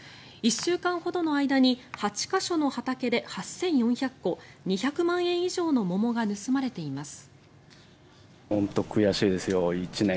１週間ほどの間に８か所の畑で８４００個２００万円以上の桃が盗まれています。